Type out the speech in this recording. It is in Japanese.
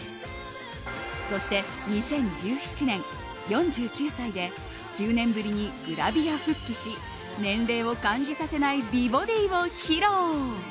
そして２０１７年、４９歳で１０年ぶりにグラビア復帰し年齢を感じさせない美ボディーを披露。